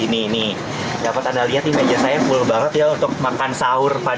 ini dapat anda lihat nih meja saya full banget ya untuk makan sahur